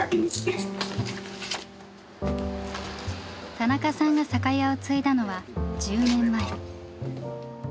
田中さんが酒屋を継いだのは１０年前。